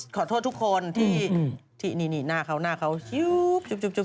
ขอโทษทุกคนที่หน้าเขาจุ๊บ